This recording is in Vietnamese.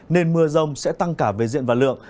nên mưa rông sẽ tăng cả về diện và lượng